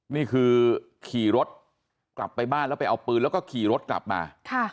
นี่คือขี่รถกลับไปบ้านแล้วไปเอาปืนแล้วก็ขี่รถกลับมา